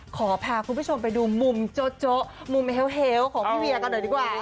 ขอพาคุณผู้ชมไปดูมุมโจ๊ะมุมเฮลของพี่เวียกันหน่อยดีกว่า